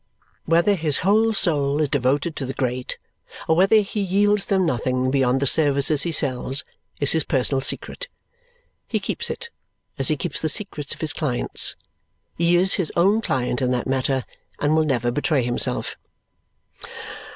Whether his whole soul is devoted to the great or whether he yields them nothing beyond the services he sells is his personal secret. He keeps it, as he keeps the secrets of his clients; he is his own client in that matter, and will never betray himself.